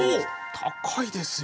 高いですよ。